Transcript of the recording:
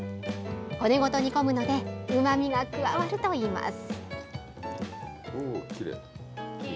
骨ごと煮込むのでうまみが加わるといいます。